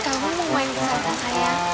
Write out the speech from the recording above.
kau mau main bersama saya